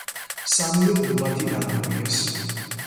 სამივე გუმბათი დაანგრიეს.